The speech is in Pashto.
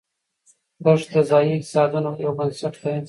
دښتې د ځایي اقتصادونو یو بنسټ دی.